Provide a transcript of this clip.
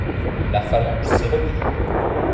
La phalange se replie.